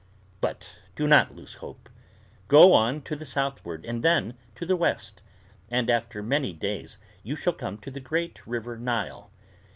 But do not lose hope. Go on to the southward and then to the west; and after many days you shall come to the great river Nile.